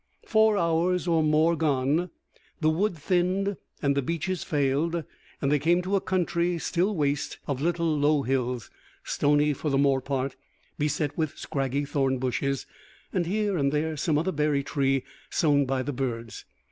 Four hours or more gone, the wood thinned and the beeches failed, and they came to a country, still waste, of little low hills, stony for the more part, beset with scraggy thorn bushes, and here and there some other berry tree sown by the birds.